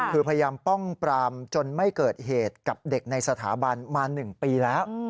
คือพยายามป้องปรามจนไม่เกิดเหตุกับเด็กในสถาบันมา๑ปีแล้ว